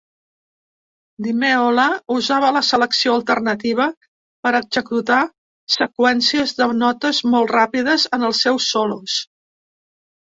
Di Meola usava la selecció alternativa per a executar seqüències de notes molt ràpides en els seus solos.